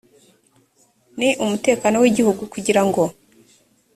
n umutekano w igihugu kugira ngo